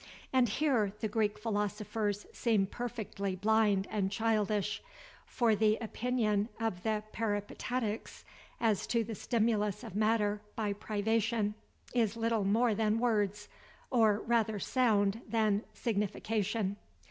And here the Greek philosophers seem perfectly blind and childish; for the opinion of the Peripatetics, as to the stimulus of matter, by privation, is little more than words, or rather sound than signification.